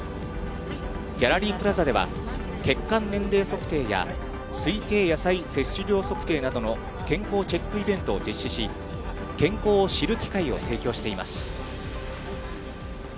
ギャラリープラザでは、血管年齢測定や、推定野菜摂取量測定などの健康チェックイベントを実施し、健康を知る機会を提供しています。